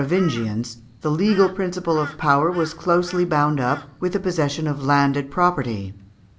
] Under the Merovingians the legal principle of power was closely bound up with the possession of landed property.